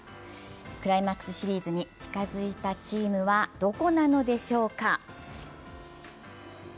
クライマックスシリーズに近づいたチームはどこなのでしょうか。